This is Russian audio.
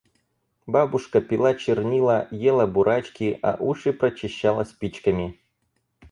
Бабушка пила чернила, ела бурачки, а уши прочищала спичками.